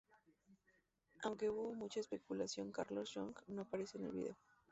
Aunque hubo mucha especulación, Carlson Young no aparece en el vídeo.